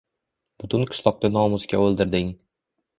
Butun qishloqni nomusga o‘ldirding…